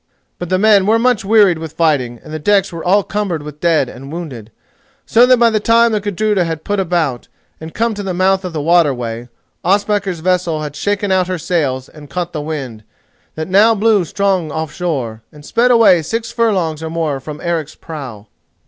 But the men were much wearied with fighting, and the decks were all cumbered with dead and wounded, so that by the time that the Gudruda had put about, and come to the mouth of the waterway, Ospakar's vessel had shaken out her sails and caught the wind, that now blew strong off shore, and sped away six furlongs or more from Eric's prow.